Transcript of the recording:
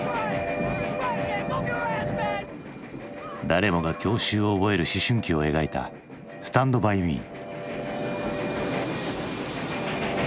誰もが郷愁を覚える思春期を描いた「スタンド・バイ・ミー」。